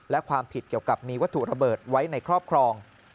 และความผิดเกี่ยวกับมีวัตถุระเบิดไว้ในครอบครอง